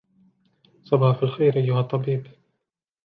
صباح الخير, أيها الطبيب!